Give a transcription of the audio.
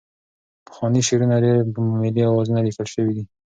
پخواني شعرونه ډېری په ملي اوزانو لیکل شوي دي.